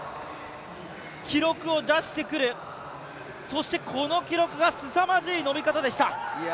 記録を出してくる、そしてこの記録がすさまじい伸び方でした。